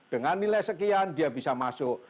dengan nilai sekian dia bisa masuk